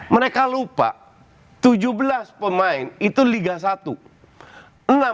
mereka lupa tujuh belas pemain itu liga satu